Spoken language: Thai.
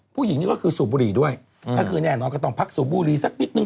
ผู้หญิงนี่ก็คือสูบบุหรี่ด้วยก็คือแน่นอนก็ต้องพักสูบบุหรี่สักนิดนึ